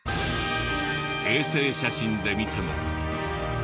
衛星写真で見ても。